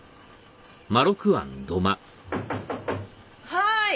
はい。